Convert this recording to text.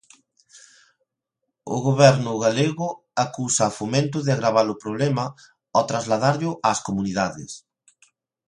O Goberno galego acusa a Fomento de agravar o problema ao trasladarllo as comunidades.